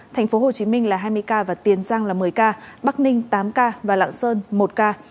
thành phố hồ chí minh là hai mươi ca và tiền giang là một mươi ca bắc ninh tám ca và lạng sơn một ca